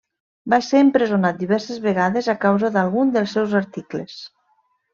Va ser empresonat diverses vegades a causa d'algun dels seus articles.